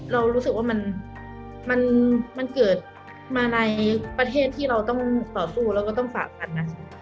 เรารู้สึกว่ามันเกิดมาในประเทศที่เราต้องต่อสู้แล้วก็ต้องฝากกันนะ